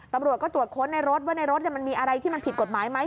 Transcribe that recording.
ตำรวจก็ตรวจค้นในรถว่าในรถมันมีอะไรที่มันผิดกฎหมายไหม